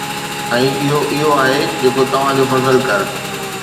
۽ اھو اھو آھي جيڪو توھان جو فضل ڪر.